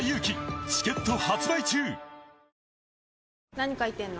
何書いてんの？